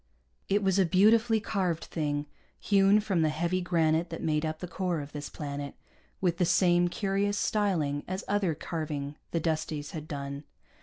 It was a beautifully carved thing, hewn from the heavy granite that made up the core of this planet, with the same curious styling as other carving the Dusties had done.